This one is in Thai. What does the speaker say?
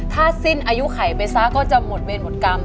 ถ้าสิ้นอายุไข่เบซ่าก็จะหมดเวียนหมดกรรม